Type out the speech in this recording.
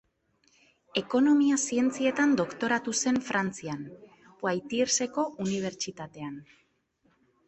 Ekonomia Zientzietan doktoratu zen Frantzian, Poitiersko Unibertsitatean.